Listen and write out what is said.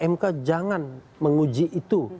mk jangan menguji itu